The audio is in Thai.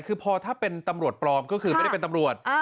คือพอถ้าเป็นตำรวจปลอมก็คือไม่ได้เป็นตำรวจ